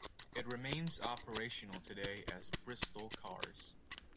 It remains operational today as Bristol Cars.